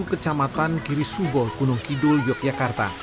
kecamatan kirisubo gunung kidul yogyakarta